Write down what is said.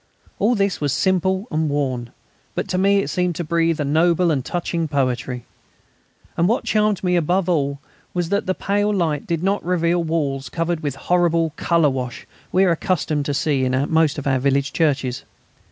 All this was simple and worn; but to me it seemed to breathe a noble and touching poetry. And what charmed me above all was that the pale light did not reveal walls covered with the horrible colour wash we are accustomed to see in most of our village churches.